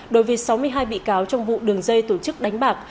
đối với sáu mươi hai bị cáo trong vụ đường dây tổ chức đánh bạc